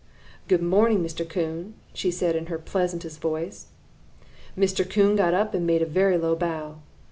"'Good morning, Mr. Coon,' said she in her pleasantest voice. "Mr. Coon got up and made a very low bow.